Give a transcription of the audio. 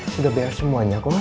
sudah biar semuanya kum